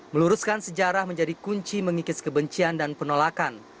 meluruskan sejarah menjadi kunci mengikis kebencian dan penolakan